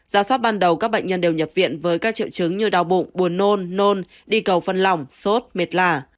giá soát ban đầu các bệnh nhân đều nhập viện với các triệu chứng như đau bụng buồn nôn nôn đi cầu phân lỏng sốt mệt lạ